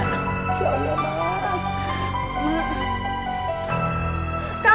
kang buru aku kang